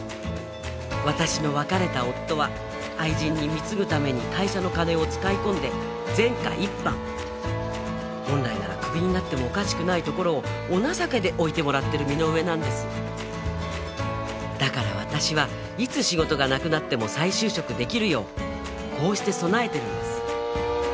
私の別れた夫は愛人に貢ぐために会社の金を遣い込んで前科一犯本来ならクビになってもおかしくないところをお情けで置いてもらってる身の上なんですだから私はいつ仕事がなくなっても再就職できるようこうして備えてるんです